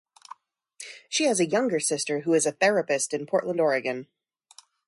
She has a younger sister who is a therapist in Portland, Oregon.